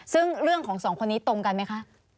ซึ่งเรื่องของสองคนนี้ตรงกันไหมคะ